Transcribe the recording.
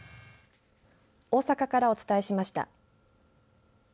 大阪からお伝えしました。